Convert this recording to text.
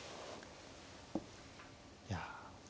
いや。